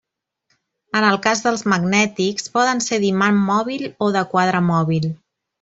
En el cas dels magnètics poden ser d'imant mòbil o de quadre mòbil.